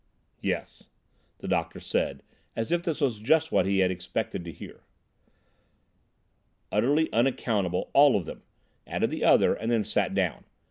"Yes," the doctor said, as if this was just what he had expected to hear. "Utterly unaccountable—all of them," added the other, and then sat down.